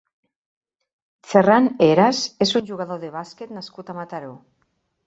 Ferrán Heras és un jugador de bàsquet nascut a Mataró.